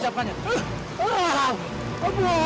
tidak bisa bagaimana mengucapkannya